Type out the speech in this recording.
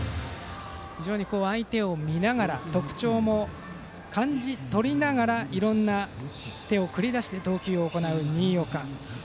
非常に相手を見ながら特徴も感じ取りながらいろいろな手を繰り出して投球を行う新岡。